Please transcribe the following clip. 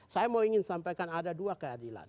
saya mau ingin sampaikan ada dua keadilan